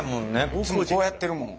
いつもこうやってるもん。